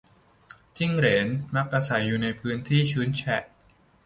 จิ้งเหลน มักอาศัยอยู่ในพื้นที่ชื้นแฉะ